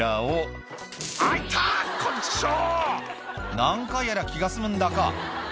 何回やりゃ気が済むんだか